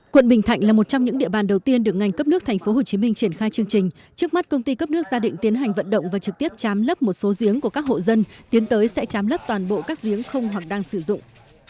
quận bình thạnh là một trong những địa bàn đầu tiên được ngành cấp nước tp hcm triển khai chương trình trước mắt công ty cấp nước gia định tiến hành vận động và trực tiếp chám lấp một số giếng của các hộ dân tiến tới sẽ chám lấp toàn bộ các giếng không hoặc đang sử dụng